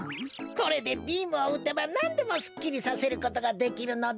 これでビームをうてばなんでもすっきりさせることができるのだ。